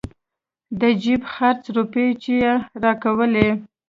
د جيب خرڅ روپۍ چې يې راکولې.